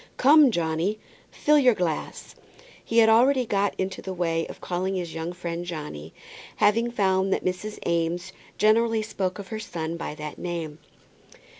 "Come, Johnny, fill your glass." He had already got into the way of calling his young friend Johnny, having found that Mrs. Eames generally spoke of her son by that name.